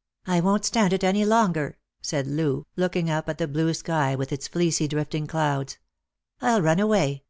" I won't stand it any longer," said Loo, looking up at the blue sky with its fleecy drifting clouds; "I'll run away.